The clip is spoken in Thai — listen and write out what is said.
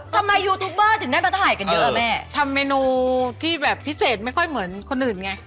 ยูทูปเบอร์ถึงได้มาถ่ายกันเยอะแม่ทำเมนูที่แบบพิเศษไม่ค่อยเหมือนคนอื่นไง